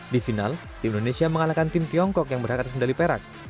di final tim indonesia mengalahkan tim tiongkok yang berhak atas medali perak